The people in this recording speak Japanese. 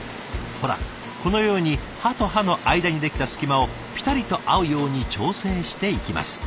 ほらこのように刃と刃の間にできた隙間をぴたりと合うように調整していきます。